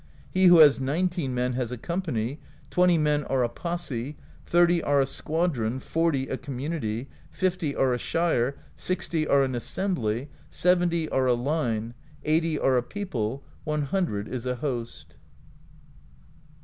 He who has nineteen men has a company; twenty men are a posse; thirty are a squadron; forty, a community; fifty area shire; sixty are an assembly; seventy are a line;^ eighty are a people; one hundred is a host.